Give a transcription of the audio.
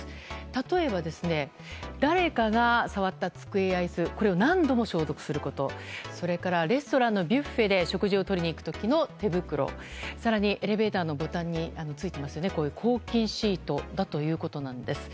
例えば、誰かが座った机や椅子を何度も消毒することそしてレストランのビュッフェで食事を取りに行くときの手袋更に、エレベーターのボタンについている抗菌シートだということなんです。